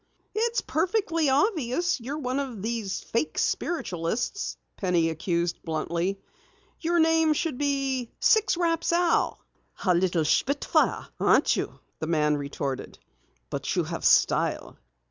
"It's perfectly obvious that you're one of these fake spiritualists," Penny accused bluntly. "Your nickname should be Six Raps Al!" "A little spit fire, aren't you?" the man retorted. "But you have style.